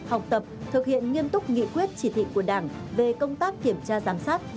học tập thực hiện nghiêm túc nghị quyết chỉ thị của đảng về công tác kiểm tra giám sát